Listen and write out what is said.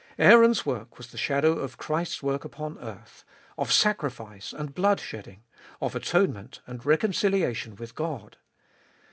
Aaron's work was the shadow of Christ's work upon earth, of sacrifice and blood shedding, of atonement and reconciliation with God.